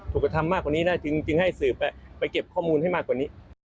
กระทำมากกว่านี้นะจึงให้สืบไปเก็บข้อมูลให้มากกว่านี้